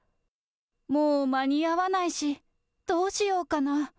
もう間に合わないし、どうしようかな。